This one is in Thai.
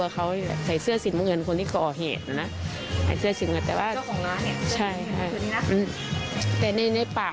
คุณหมอสับปะบ